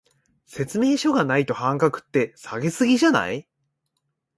説明書がないと半額って、下げ過ぎじゃない？